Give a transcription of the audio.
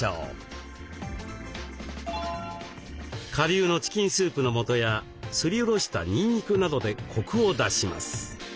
顆粒のチキンスープの素やすりおろしたにんにくなどでコクを出します。